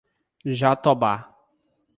Jatobá